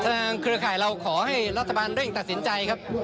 ใช่ครับทางเครือข่ายเราขอให้รัฐบาลเร่งตัดสินใจครับ